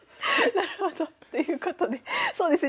なるほど。ということでそうですね